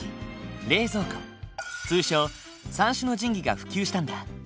通称三種の神器が普及したんだ。